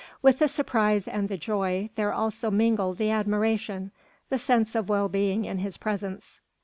With the surprise and the joy there also mingled the admiration, the sense of well being in his presence.